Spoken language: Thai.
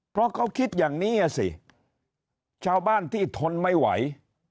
เพราะเขาคิดอย่างนี้อ่ะสิชาวบ้านที่ทนไม่ไหว